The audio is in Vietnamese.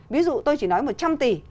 ví dụ tôi chỉ nói một trăm tỷ